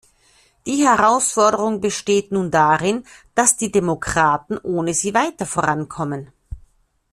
Die Herausforderung besteht nun darin, dass die Demokraten ohne sie weiter vorankommen.